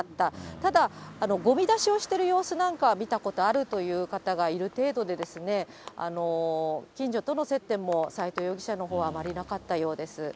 ただ、ごみ出しをしてる様子なんかは見たことあるという方がいる程度で、近所との接点も、斎藤容疑者のほうはあまりなかったようです。